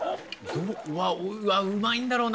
うわうまいんだろうな